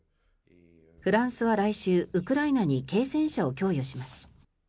フランスは来週、ウクライナに軽戦車を供与します。